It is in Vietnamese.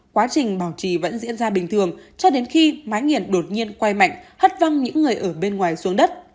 quá trình bảo trì vẫn diễn ra bình thường cho đến khi mái nghiện đột nhiên quay mạnh hất văng những người ở bên ngoài xuống đất